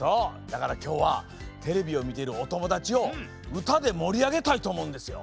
だからきょうはテレビをみているおともだちをうたでもりあげたいとおもうんですよ。